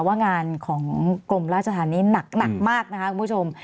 ว่างานของกรมราชธรรมนี้หนักมากนะคะคุณผู้ชม